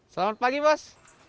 selamat pagi bos